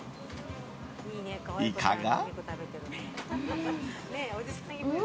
いかが？